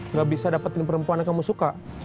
nggak bisa dapetin perempuan yang kamu suka